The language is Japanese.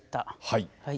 はい。